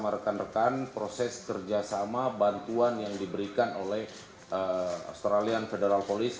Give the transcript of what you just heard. rekan rekan proses kerjasama bantuan yang diberikan oleh australian federal police